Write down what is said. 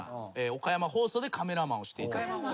岡山放送でカメラマンをしていたと。